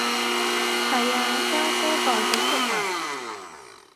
係啊，家姐代佢出文